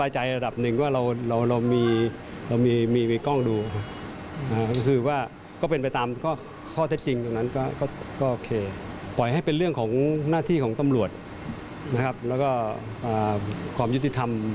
จากนั้นก็เป็นพี่กุนสร้างนัดที่ออกได้